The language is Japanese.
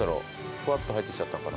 ふわっと入ってきちゃったのかな。